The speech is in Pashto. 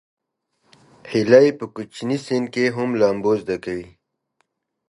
هیلۍ په کوچني سن کې هم لامبو زده کوي